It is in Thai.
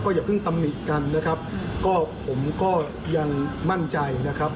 อย่าเพิ่งตำหนิกันนะครับก็ผมก็ยังมั่นใจนะครับ